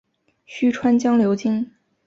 虚川江流经。